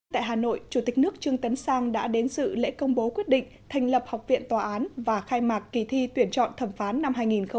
tại hà nội chủ tịch nước trương tấn sang đã đến sự lễ công bố quyết định thành lập học viện tòa án và khai mạc kỳ thi tuyển chọn thẩm phán năm hai nghìn một mươi chín